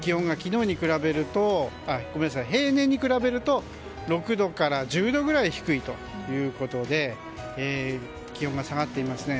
気温が平年に比べると６度から１０度くらい低いということで気温が下がっていますね。